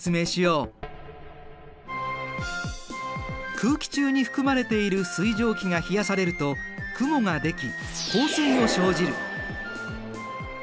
空気中に含まれている水蒸気が冷やされると雲ができ降水を生じる。